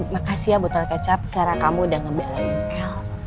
makasih ya botol kecap karena kamu udah ngebelain el